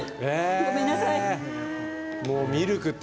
ごめんなさい！